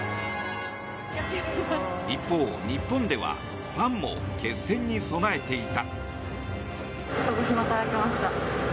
一方、日本ではファンも決戦に備えていた。